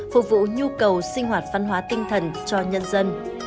phục vụ nhu cầu sinh hoạt văn hóa tinh thần cho nhân dân